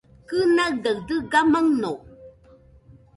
Kɨnaigaɨ dɨga maɨno.